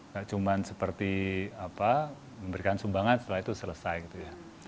gak cuma seperti apa memberikan sumbangan setelah itu selesai gitu ya